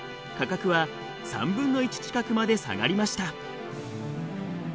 価格は３分の１近くまで下がりました。